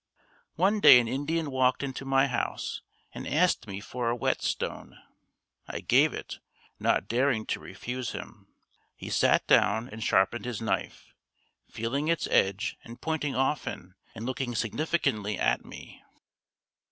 One day an Indian walked into my house and asked me for a whetstone. I gave it, not daring to refuse him. He sat down and sharpened his knife, feeling its edge and pointing often and looking significantly at me.